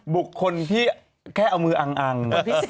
บุกคนที่แค่เอามืออังอัง